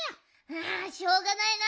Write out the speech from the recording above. あしょうがないな